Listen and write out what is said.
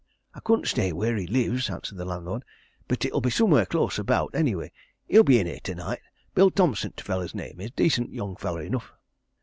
"I couldn't say wheer he lives," answered the landlord. "But it'll be somewhere close about; anyway, he'll be in here tonight. Bill Thomson t' feller's name is decent young feller enough."